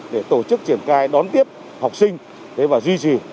để tổ chức triển cai đón tiếp học sinh và duy trì